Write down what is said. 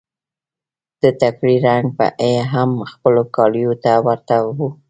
د ټکري رنګ يې هم خپلو کاليو ته ورته و.